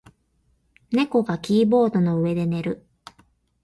猫がキーボードの上で寝る。